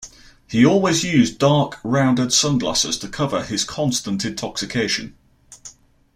He always used dark rounded sunglasses to cover his constant intoxication.